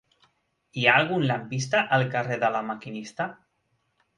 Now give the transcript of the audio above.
Hi ha algun lampista al carrer de La Maquinista?